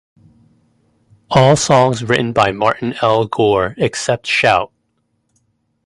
All songs written by Martin L. Gore except Shout!